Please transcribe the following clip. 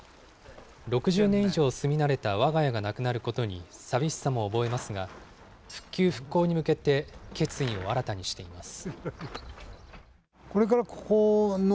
６０年以上住み慣れたわが家がなくなることに寂しさも覚えますが、復旧・復興に向けて決意を新たにしています。